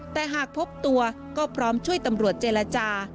แต่หากพบตัวก็พร้อมช่วยตำรวจเจรจา